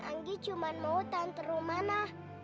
anggi cuma mau tante rumana